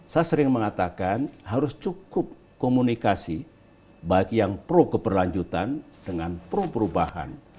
saya sering mengatakan harus cukup komunikasi bagi yang pro keberlanjutan dengan pro perubahan